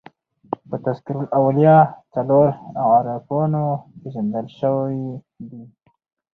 په "تذکرةالاولیاء" څلور عارفانو پېژندل سوي دي.